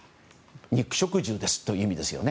肉食獣ですという意味ですね。